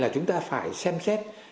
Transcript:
chúng ta phải xem xét